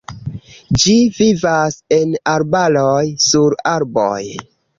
Ĝi vivas en arbaroj, sur arboj.